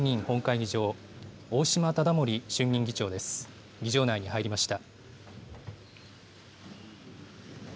議場内に入りました。